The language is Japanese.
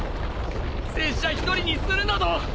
拙者一人にするなど。